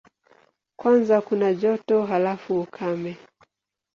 Kwanza kuna joto, halafu ukame.